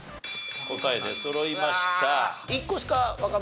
答え出そろいました。